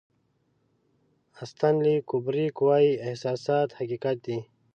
استنلي کوبریک وایي احساسات حقیقت دی.